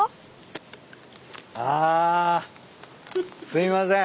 すいません。